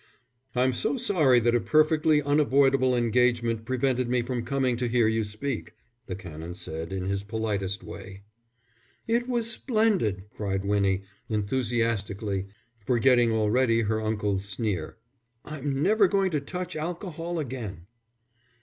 "I'm so sorry that a perfectly unavoidable engagement prevented me from coming to hear you speak," the Canon said, in his politest way. "It was splendid," cried Winnie, enthusiastically, forgetting already her uncle's sneer. "I'm never going to touch alcohol again."